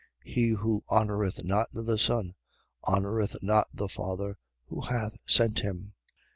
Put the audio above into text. He who honoureth not the Son honoureth not the Father who hath sent him.